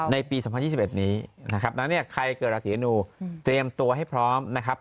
ในปี๒๐๒๑นี้นะครับดังนั้นเนี่ยใครเกิดราศีนูเตรียมตัวให้พร้อมนะครับ